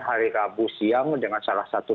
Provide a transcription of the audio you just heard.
hari rabu siang dengan salah satu